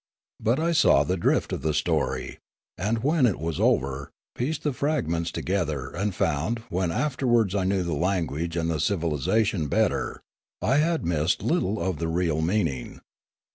But I saw the drift of the story, and, when it was over, pieced the fragments together and found, when afterwards I knew the language and the civilisation better, I had missed little of the real meauing.